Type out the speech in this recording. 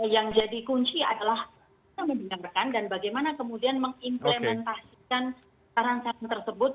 yang jadi kunci adalah kita mendengarkan dan bagaimana kemudian mengimplementasikan saran saran tersebut